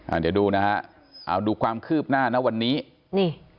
เดี๋ยวดูนะฮะเอาดูความคืบหน้านะวันนี้นี่